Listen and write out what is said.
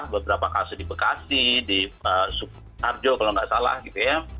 beberapa kasus di bekasi di sukoharjo kalau nggak salah gitu ya